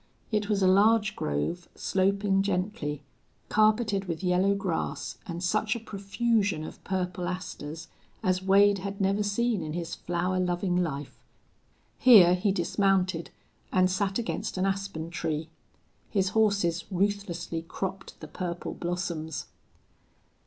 It was a large grove, sloping gently, carpeted with yellow grass and such a profusion of purple asters as Wade had never seen in his flower loving life. Here he dismounted and sat against an aspen tree. His horses ruthlessly cropped the purple blossoms.